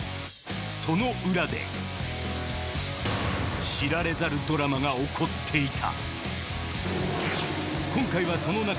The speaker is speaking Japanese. その裏で知られざるドラマが起こっていた。